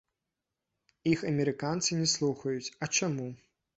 Іх амерыканцы не слухаюць, а чаму?